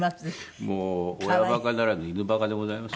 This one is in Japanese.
もう親バカならぬ犬バカでございます。